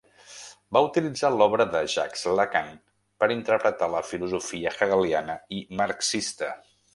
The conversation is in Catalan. Va utilitzar l'obra de Jacques Lacan per interpretar la filosofia hegeliana i marxista.